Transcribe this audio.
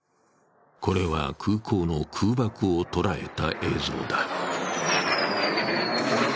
これは空港の空爆を捉えた映像だ。